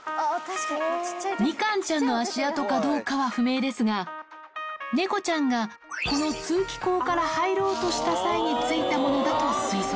みかんちゃんの足跡かどうかは不明ですが、猫ちゃんがこの通気口から入ろうとした際に付いたものだと推測。